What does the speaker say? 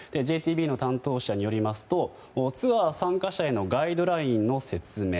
ＪＴＢの担当者によりますとツアー参加者へのガイドラインの説明